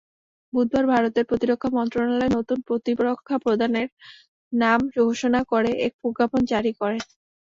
বুধবার ভারতের প্রতিরক্ষা মন্ত্রণালয় নতুন প্রতিরক্ষাপ্রধানের নাম ঘোষণা করে এক প্রজ্ঞাপন জারি করে।